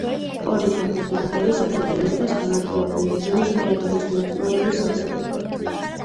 ორი ქვეყნის მოქალაქეები სარგებლობენ მიმოსვლის გამარტივებული რეჟიმით, პირადობის მოწმობების საფუძველზე.